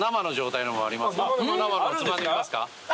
生のもつまんでみますか？